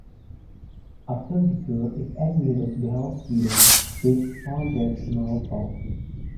After the girl is admitted to the hospital, she is found to have smallpox.